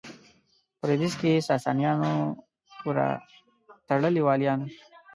په لوېدیځ کې ساسانیانو پوره تړلي والیان وو.